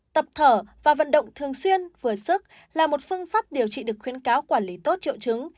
tập thở và vận động thường xuyên vừa sức là một phương pháp điều trị được khuyến cáo quản lý tốt triệu chứng